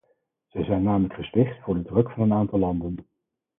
Zij zijn namelijk gezwicht voor de druk van een aantal landen.